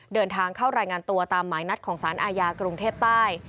เดินทางเข้ารายงานตัวตามหมายนัดของสารอาญากรุงเทพใต้